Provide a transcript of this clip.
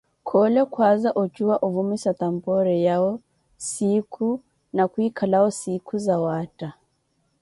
Khoole khwaaza ocuwa ovumisa tampori yawe siikhu na khwikhalawo sinkhu zawaatta.